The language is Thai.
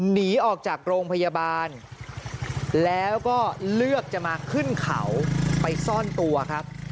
หนีออกจากโรงพยาบาลแล้วก็เลือกจะมาขึ้นเขาไปซ่อนตัวครับ